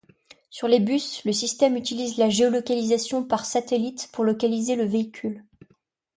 Sur les bus, le système utilise la géolocalisation par satellites pour localiser le véhicule.